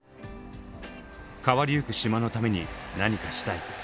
「変わりゆく島のために何かしたい」。